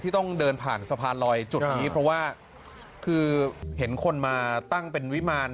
ต้องเดินผ่านสะพานลอยจุดนี้เพราะว่าคือเห็นคนมาตั้งเป็นวิมาร